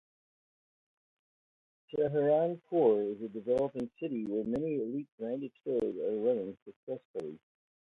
Saharanpur is a developing city where many elite branded stores are running successfully.